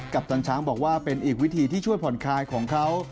ปตันช้างบอกว่าเป็นอีกวิธีที่ช่วยผ่อนคลายของเขา